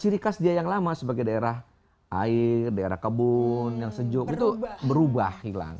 ciri khas dia yang lama sebagai daerah air daerah kebun yang sejuk itu berubah hilang